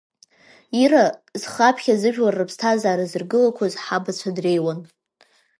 Ира зхы аԥхьа зыжәлар рыԥсҭазаара зыргылақәоз ҳабацәа дреиуан…